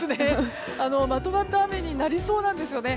まとまった雨になりそうなんですよね。